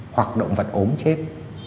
hoặc động vật ốm chết